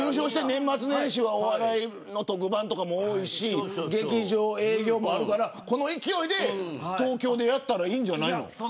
年末年始はお笑い特番も多いし劇場営業もあるからこの勢いで東京でやったらいいんじゃないの。